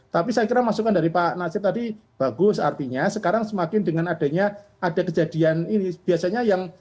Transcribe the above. tapi saya kira masukan dari pak nasir tadi bagus artinya sekarang semakin dengan adanya ada kejadian ini biasanya yang